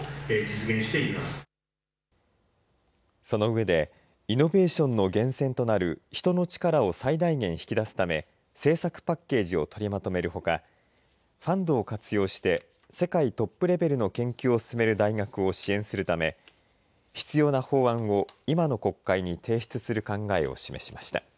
その上でイノベーションの源泉となる人の力を最大限引き出すため政策パッケージを取りまとめるほかファンドを活用して世界トップレベルの研究を進める大学を支援するため必要な法案を今の国会に提出する考えを示しました。